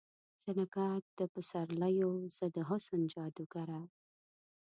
زه نګهت د پسر لیو، زه د حسن جادوګره